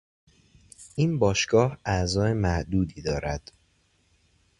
این باشگاه اعضا معدودی دارد.